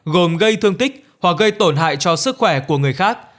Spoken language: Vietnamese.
gồm gây thương tích hoặc gây tổn hại cho sức khỏe của người khác